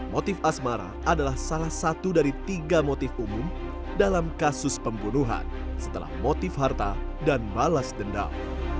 motif asmara adalah salah satu dari tiga motif umum dalam kasus pembunuhan setelah motif harta dan balas dendam